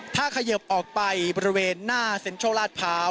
ถ้าเขยิบออกไปบริเวณหน้าเซ็นทรัลลาดพร้าว